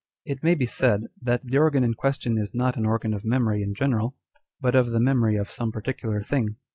It may be said, that the organ in question is not an organ of memory in general, but of the memory of some particular thing.